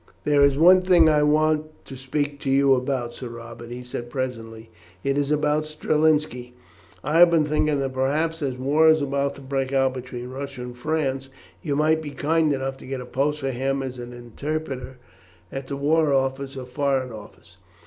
"There is one thing I want to speak to you about, Sir Robert," he said presently. "It is about Strelinski. I have been thinking that perhaps, as war is about to break out between Russia and France, you might be kind enough to get a post for him as interpreter at the War Office or Foreign Office."